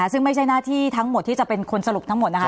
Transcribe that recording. ซึ่งไม่ใช่หน้าที่ทั้งหมดที่จะเป็นคนสรุปทั้งหมดนะคะ